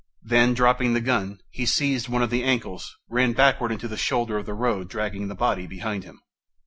Then, dropping the gun, he seized one of the ankles, ran backwards to the shoulder of the road, dragging the body behind him.